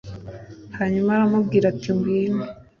hanyuma aramubwira ati ngwino